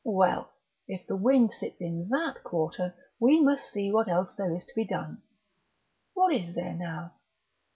Well, if the wind sits in that quarter we must see what else there is to be done. What is there, now?...